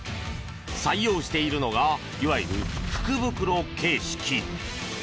採用しているのがいわゆる福袋形式。